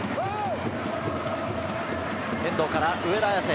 遠藤から上田綺世。